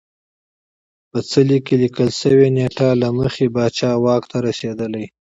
په څلي کې لیکل شوې نېټه له مخې پاچا واک ته رسېدلی